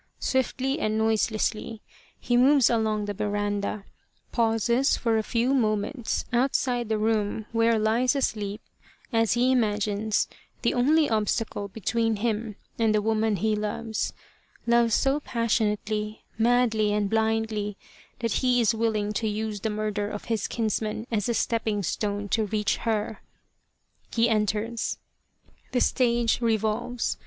Swiftly and noiselessly he moves along the veranda ; pauses for a few moments outside the room where lies asleep, as he imagines, the only obstacle between him and the woman he loves loves so passionately, madly, and blindly that he is willing to use the murder of his kinsman as a stepping stone to reach her. He enters. The stage revolves.